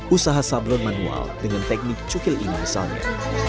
usaha sablon manual dengan teknik cukil ini misalnya